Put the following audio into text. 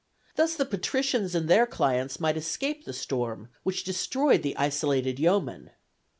Thus the patricians and their clients might escape the storm which destroyed the isolated yeoman.